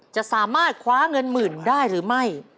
จะสามารถคว้าเงินหมื่นได้หรือไม่